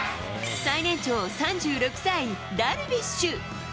最年長３６歳、ダルビッシュ。